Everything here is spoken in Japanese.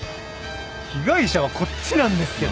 被害者はこっちなんですけど